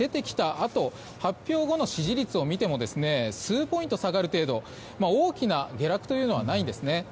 あと発表後の支持率を見ても数ポイント下がる程度で大きな下落というのはないんですね。